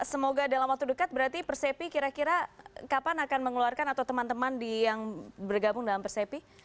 semoga dalam waktu dekat berarti persepi kira kira kapan akan mengeluarkan atau teman teman yang bergabung dalam persepi